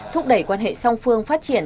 thúc đẩy quan hệ song phương phát triển